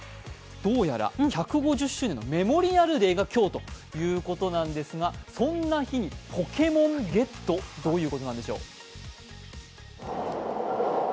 どうやら１５０周年のメモリアルデーが今日ということなんですがそんな日にポケモンゲット、どういうことなんでしょう。